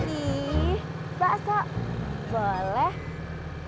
ih bakso boleh